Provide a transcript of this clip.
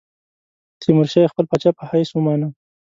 تیمورشاه یې خپل پاچا په حیث ومانه.